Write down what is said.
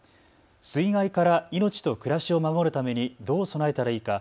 水害から命と暮らしを守るためにどう備えたらいいか。